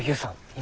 今。